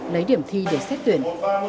lấy điểm thi để xét tuyển